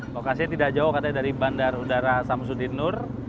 lokasinya tidak jauh katanya dari bandar udara samsudinur